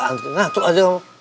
akan ada lalu